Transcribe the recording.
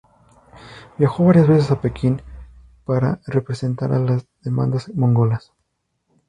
Viajó varias veces a Pekín para representar a las demandas mongolas.